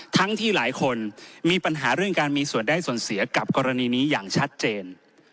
ทั้งที่หลายคนมีปัญหาเรื่องการมีส่วนได้ส่วนเสียกับกรณีนี้อย่างชัดเจน